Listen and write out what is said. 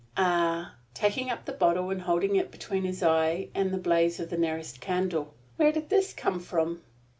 "Ah," taking up the bottle and holding it between his eye and the blaze of the nearest candle, "where did this come from?"